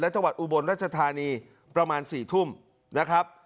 จังหวัดอุบลรัชธานีประมาณ๔ทุ่มนะครับ